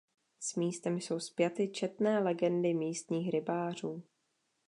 S místem jsou spjaty četné legendy místních rybářů.